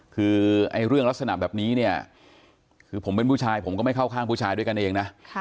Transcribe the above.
คือเรื่องลักษณะแบบนี้เนี่ยคือผมเป็นผู้ชายผมก็ไม่เข้าข้างผู้ชายด้วยกันเองนะ